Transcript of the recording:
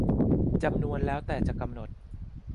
จำนวนแล้วแต่จะกำหนด